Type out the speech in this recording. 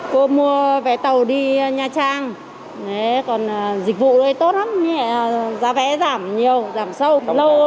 cô mua vé tàu đi nha trang còn dịch vụ thôi tốt lắm giá vé giảm nhiều giảm sâu